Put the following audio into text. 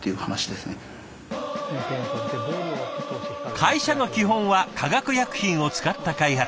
会社の基本は化学薬品を使った開発。